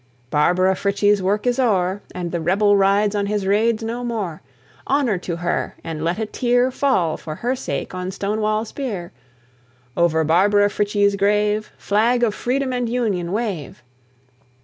Barbara Frietchie's work is o'er, And the rebel rides on his raids no more. Honour to her! and let a tear Fall, for her sake, on Stonewall's bier. Over Barbara Frietchie's grave, Flag of Freedom and Union, wave!